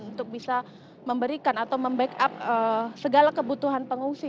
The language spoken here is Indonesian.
untuk bisa memberikan atau membackup segala kebutuhan pengungsi